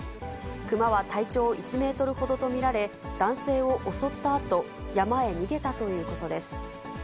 クマは体長１メートルほどと見られ、男性を襲ったあと、山へ逃げたということです。